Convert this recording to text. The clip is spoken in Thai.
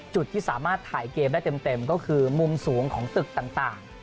จุดที่สามารถถ่ายเกมได้เต็มก็คือมุมสูงของตึกต่าง